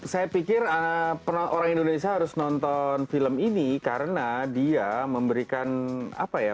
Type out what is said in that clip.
saya pikir orang indonesia harus nonton film ini karena dia memberikan apa ya